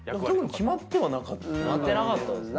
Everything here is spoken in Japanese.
決まってなかったですね。